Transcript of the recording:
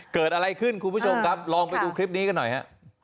เกิดอะไรขึ้นคุณผู้ชมครับลองไปดูคลิปนี้กันหน่อยฮะ